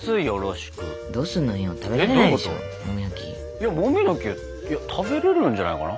いやモミの木食べられるんじゃないかな。